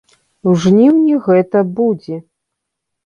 У жніўні гэта будзе.